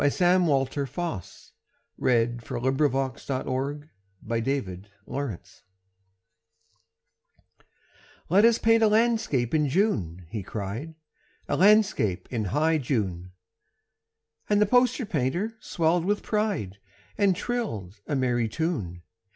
Sam Walter Foss The Poster Painter's Masterpiece "LET us paint a landscape in June," he cried; "A Landscape in high June." And the poster painter swelled with pride And trilled a merry tune.